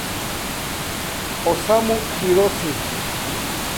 Osamu Hirose